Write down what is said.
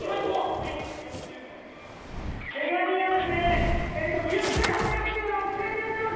毛ガニがですね、９８００円が６０００円でやってます。